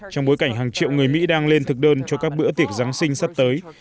trong bối cảnh hàng triệu người mỹ đang lên thực đơn cho các bữa tiệc giáng sinh sắp tới